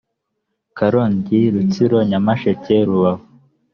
karongi rutsiro nyamasheke rubavu